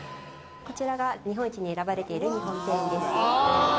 こちらが日本一に選ばれていこれはすごい。